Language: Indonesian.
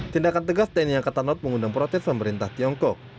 tindakan tegas tni angkatan laut mengundang protes pemerintah tiongkok